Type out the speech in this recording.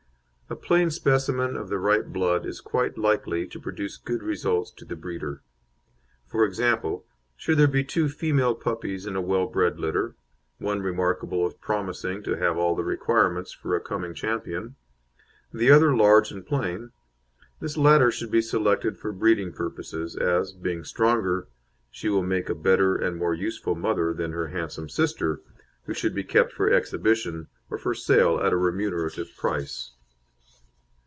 A plain specimen of the right blood is quite likely to produce good results to the breeder; for example, should there be two female puppies in a well bred litter, one remarkable as promising to have all the requirements for a coming champion, the other large and plain, this latter should be selected for breeding purposes as, being stronger, she will make a better and more useful mother than her handsome sister, who should be kept for exhibition, or for sale at a remunerative price.